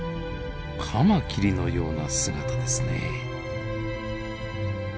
カマキリのような姿ですね。